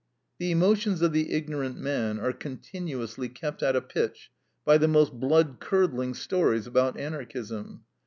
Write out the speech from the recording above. The emotions of the ignorant man are continuously kept at a pitch by the most blood curdling stories about Anarchism.